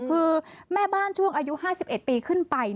คือแม่บ้านช่วงอายุ๕๑ปีขึ้นไป